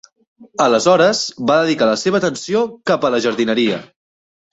Aleshores va dedicar la seva atenció cap a la jardineria.